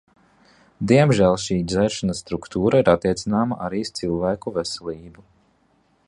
Diemžēl šī dzeršanas struktūra ir attiecināma arī uz cilvēku veselību.